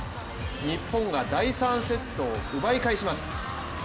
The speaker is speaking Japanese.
日本が第３セットを奪い返します。